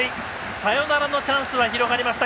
サヨナラのチャンスは広がりました